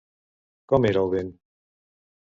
Com era el vent?